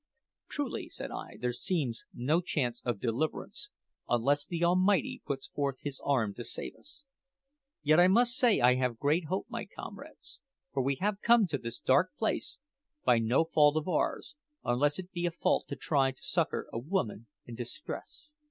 "Truly," said I, "there seems no chance of deliverance, unless the Almighty puts forth His arm to save us. Yet I must say I have great hope, my comrades; for we have come to this dark place by no fault of ours unless it be a fault to try to succour a woman in distress."